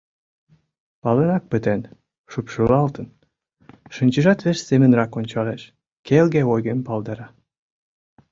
Палынак пытен, шупшылалтын, шинчажат вес семынрак ончалеш, келге ойгым палдара.